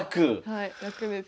はい楽です。